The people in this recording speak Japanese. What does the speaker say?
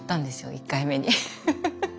１回目に。